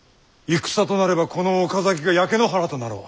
戦となればこの岡崎が焼け野原となろう。